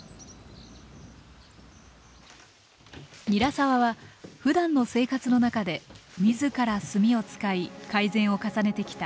韮澤はふだんの生活の中で自ら炭を使い改善を重ねてきた。